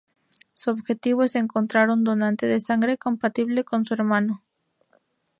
Su objetivo es encontrar un donante de sangre compatible con su hermano.